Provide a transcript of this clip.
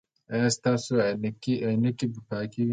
ایا ستاسو عینکې به پاکې وي؟